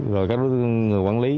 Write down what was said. rồi các đối tượng người quản lý